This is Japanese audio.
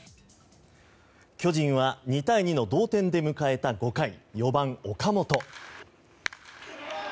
巨人は２対２の同点で迎えた５回４番、岡本。